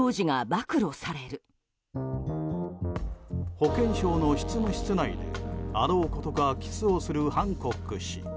保健相の執務室内であろうことかキスをするハンコック氏。